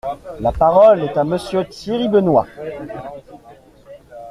La parole est à Monsieur Thierry Benoit.